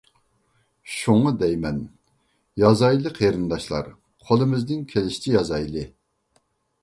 شۇڭا دەيمەن، يازايلى قېرىنداشلار، قولىمىزدىن كېلىشىچە يازايلى.